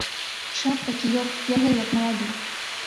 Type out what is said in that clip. Шапка, кіёк, бегае як малады.